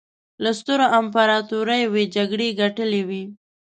له سترو امپراطوریو یې جګړې ګټلې وې.